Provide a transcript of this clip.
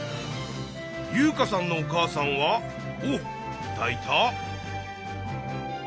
優華さんのお母さんは。おっいたいた。